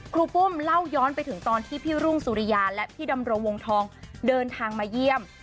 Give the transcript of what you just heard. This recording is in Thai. รูปุ้มเล่าย้อนไปถึงตอนที่พี่รุ่งสุริยาและพี่ดำรงวงทองเดินทางมาเยี่ยม